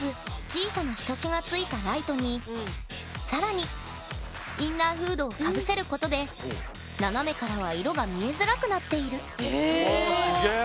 小さなひさしがついたライトに更にインナーフードをかぶせることで斜めからは色が見えづらくなっている。